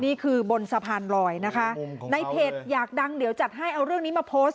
นี่คือบนสะพานลอยนะคะในเพจอยากดังเดี๋ยวจัดให้เอาเรื่องนี้มาโพสต์